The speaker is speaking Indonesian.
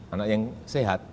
anak yang sehat